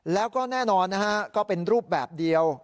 แล้วก็แน่นอนนะฮะก็เป็นรูปแบบเดียว